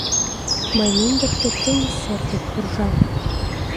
— Мый мӱндыркӧ, теҥыз сер дек куржам.